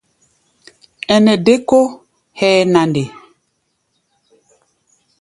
Ɛnɛ dé kó hʼɛ́ɛ́ na nde?